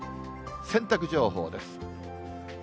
洗濯情報です。